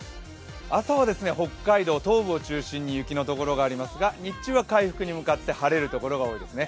朝は北海道、東部を中心に雪の所がありますが日中は回復に向かって晴れる所が多いですね。